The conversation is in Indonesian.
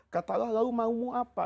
kata allah lalu mau apa